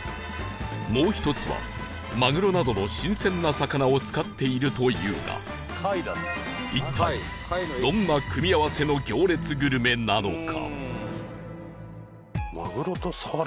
もう１つはマグロなどの新鮮な魚を使っているというが一体どんな組み合わせの行列グルメなのか？